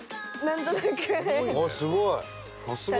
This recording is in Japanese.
すごいね。